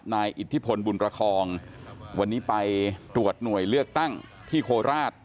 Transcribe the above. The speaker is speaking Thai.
อิทธิพลบุญประคองวันนี้ไปตรวจหน่วยเลือกตั้งที่โคราช